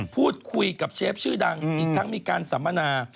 พูดคุยกับเชฟชื่อดังอีกทั้งมีการสัมมนา